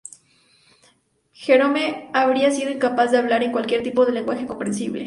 Jerome habría sido incapaz de hablar en cualquier tipo de lenguaje comprensible.